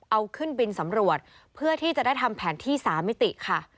เอาขึ้นบินสำรวจเพื่อที่จะได้ทำแผนที่๓มิติค่ะ